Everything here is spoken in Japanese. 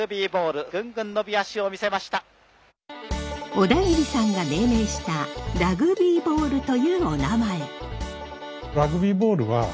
小田切さんが命名したラグビーボールというおなまえ。